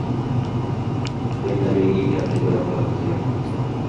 Unda men eng katta gunohkor qizman